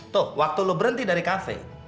tuh waktu lo berhenti dari kafe